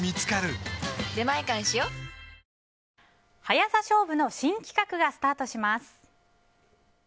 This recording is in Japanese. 速さ勝負の新企画がスタートします。